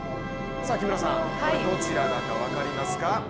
木村さん、どちらだか分かりますか？